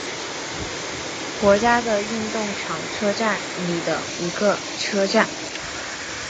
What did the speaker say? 国家运动场车站里的一个车站。